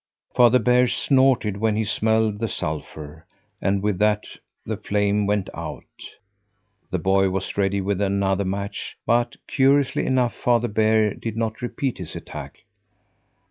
Father Bear snorted when he smelled the sulphur, and with that the flame went out. The boy was ready with another match, but, curiously enough, Father Bear did not repeat his attack.